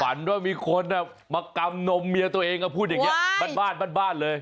ว่ามีคนมากำนมเมียตัวเองก็พูดอย่างนี้บ้านบ้านเลย